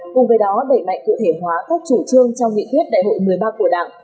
cùng với đó đẩy mạnh cụ thể hóa các chủ trương trong nghị quyết đại hội một mươi ba của đảng